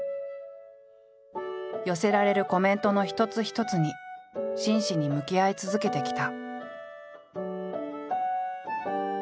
寄せられるコメントの一つ一つに真摯に向き合い続けてきた。